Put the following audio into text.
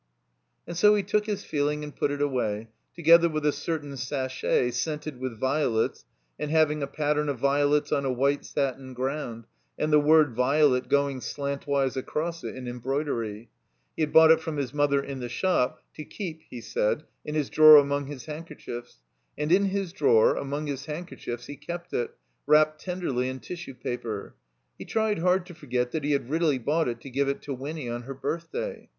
And so he took his feeling and put it away, to gether with a certain sachet, scented with violets, and having a pattern of violets on a white satin ground, and the word Violet going slantwise across it in embroidery. He had bought it (from his 60 THE COMBINED MAZE mother) in the shop, to keep (he said) in his drawer among his handkerchiefs. And in his drawer, among his handkerchiefs, he kept it, wrapped ten derly in tissue paper. He tried hard to forget that he had really bought it to give to Winny on her birthday.